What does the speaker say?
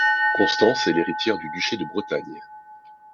Constance est l'héritière du duché de Bretagne.